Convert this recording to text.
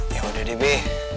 ya udah deh be